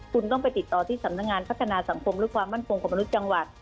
คุณต้องไปติดต่อที่สำนักงานพัฒนาสังคมและความมั่นคงของมนุษย์จังหวัด